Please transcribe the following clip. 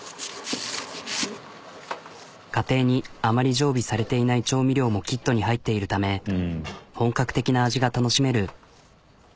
家庭にあまり常備されていない調味料もキットに入っているため本格的な味が楽しめる。